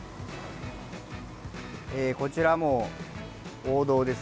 こちらもう、王道ですね。